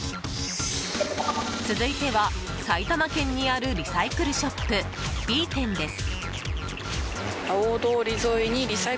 続いては埼玉県にあるリサイクルショップ、Ｂ店です。